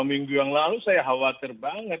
minggu yang lalu saya khawatir banget